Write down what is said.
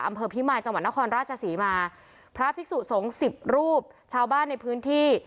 อำเภอพิมายจังหวัดนครราชศรีมาพระภิกษุสงฆ์สิบรูปชาวบ้านในพื้นที่